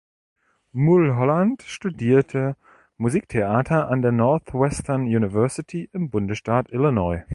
Mulholland studierte Musiktheater an der Northwestern University im Bundesstaat Illinois.